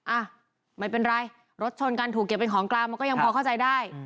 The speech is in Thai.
อ่ะไม่เป็นไรรถชนกันถูกเก็บเป็นของกลางมันก็ยังพอเข้าใจได้